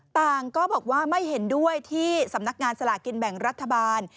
ต่างก็บอกว่าไม่เห็นด้วยที่สำนักงานสลากินแบ่งรัฐบาล